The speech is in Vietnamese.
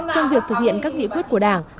trong việc thực hiện các nghị quyết của đảng